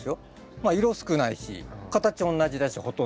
まあ色少ないし形おんなじだしほとんど。